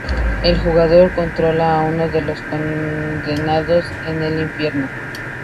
El jugador controla a uno de los condenados en el infierno.